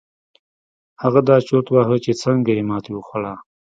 هغه دا چورت واهه چې څنګه يې ماتې وخوړه.